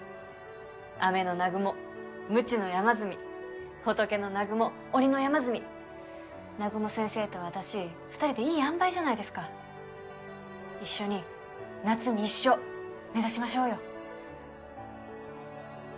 飴の南雲鞭の山住仏の南雲鬼の山住南雲先生と私２人でいいあんばいじゃないですか一緒に夏に１勝目指しましょうよ